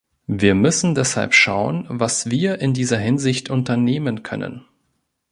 Wir müssen deshalb schauen, was wir in dieser Hinsicht unternehmen können.